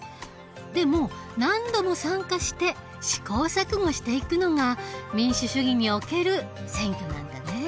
でも何度も参加して試行錯誤していくのが民主主義における選挙なんだね。